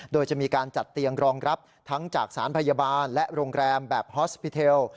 โดยจะมีการจัดเตียงรองรับทั้งจากสารพยาบาลและโรงแรมแบบฮอสปิเทล